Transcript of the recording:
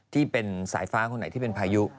ที่เป็นสายฟ้าคนไหนที่เป็นพายุ